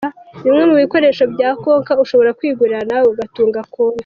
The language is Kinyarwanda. Bimwe mu bikoresho bya Konka ushobora kwigurira nawe ugatunga Konka.